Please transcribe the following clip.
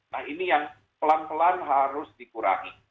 nah ini yang pelan pelan harus dikurangi